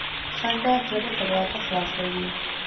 • خندا د زړه دروازه خلاصوي.